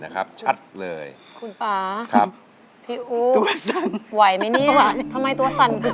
คุณป่าพี่อุ๊ไหวไหมนี้ทำไมตัวสันกุ่น